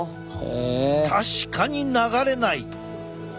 確かに流れない。